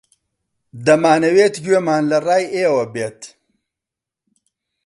دەمانەوێت گوێمان لە ڕای ئێوە بێت.